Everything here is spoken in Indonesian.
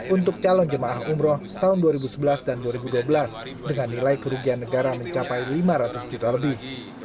untuk calon jemaah umroh tahun dua ribu sebelas dan dua ribu dua belas dengan nilai kerugian negara mencapai lima ratus juta lebih